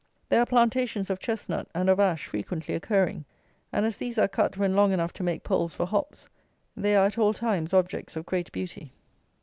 There are plantations of Chestnut and of Ash frequently occurring; and as these are cut when long enough to make poles for hops, they are at all times objects of great beauty.